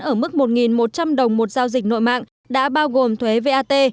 ở mức một một trăm linh đồng một giao dịch nội mạng đã bao gồm thuế vat